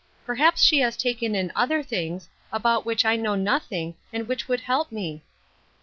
Perhaps she has taken in other things, about which I know noth ing, and which would help me